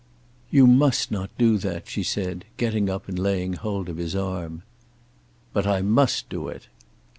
"You must not do that," she said, getting up and laying hold of his arm. "But I must do it."